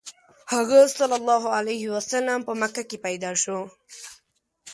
هغه ﷺ په مکه کې پیدا شو.